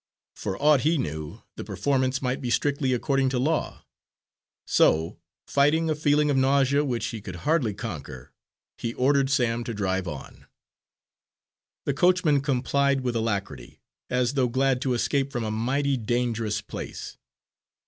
For aught he knew, the performance might be strictly according to law. So, fighting a feeling of nausea which he could hardly conquer, he ordered Sam to drive on. The coachman complied with alacrity, as though glad to escape from a mighty dangerous place.